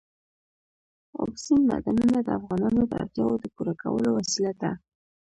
اوبزین معدنونه د افغانانو د اړتیاوو د پوره کولو وسیله ده.